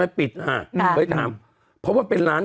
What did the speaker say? ไม่ปิดเพราะว่าเป็นร้านดัง